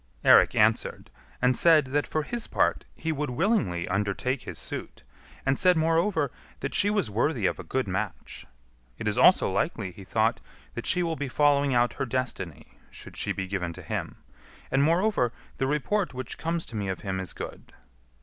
Eirik answered and said, that for his part he would willingly undertake his suit, and said, moreover, that she was worthy of a good match. It is also likely, he thought, that she will be following out her destiny, should she be given to him; and, moreover, the report which comes to me of him is good.